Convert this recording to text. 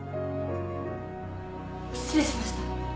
失礼しました。